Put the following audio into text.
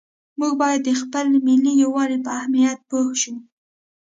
موږ باید د خپل ملي یووالي په اهمیت پوه شو.